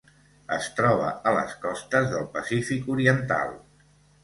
Es troba a les costes del Pacífic Oriental.